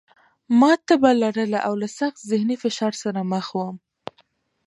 ما تبه لرله او له سخت ذهني فشار سره مخ وم